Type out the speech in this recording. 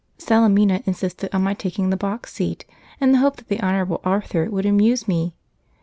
Salemina insisted on my taking the box seat, in the hope that the Honourable Arthur would amuse me.